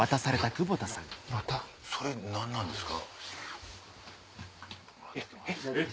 それ何なんですか？